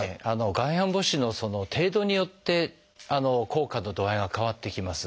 外反母趾の程度によって効果の度合いが変わってきます。